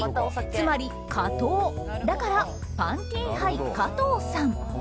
つまり加糖、だからパンティーハイかとうさん。